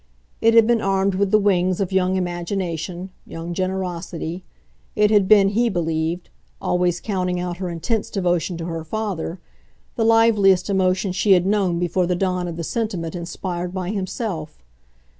It had been armed with the wings of young imagination, young generosity; it had been, he believed always counting out her intense devotion to her father the liveliest emotion she had known before the dawn of the sentiment inspired by himself.